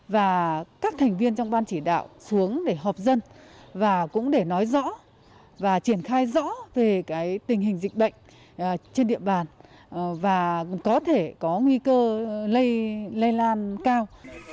và các thành viên trong ban chỉ đạo xuống để họp dân và cũng để nói rõ và triển khai rõ về tình hình dịch bệnh trên địa bàn và có thể có nguy cơ lây lan cao